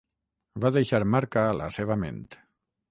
Va deixar marca a la seva ment.